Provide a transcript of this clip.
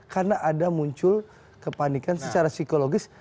karena ada muncul kepanikan secara psikologis